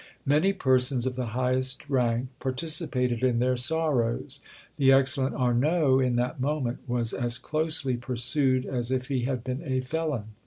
Many persons of the highest rank participated in their sorrows. The excellent Arnauld, in that moment, was as closely pursued as if he had been a felon.